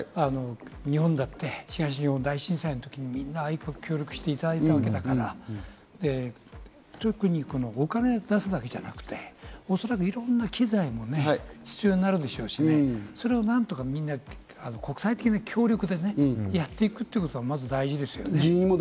日本だって東日本大震災のときに長いこと協力していただいたわけだから、特にお金を出すだけじゃなくて、おそらくいろんな機材もね、必要になるでしょうし、それを何とか、みんな国際的な協力でね、やっていくということがまず大事ですね。